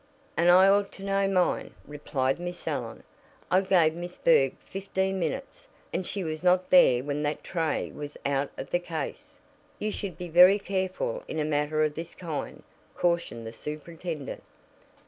"And I ought to know mine," replied Miss Allen. "I gave Miss Berg fifteen minutes, and she was not there when that tray was out of the case." "You should be very careful in a matter of this kind," cautioned the superintendent.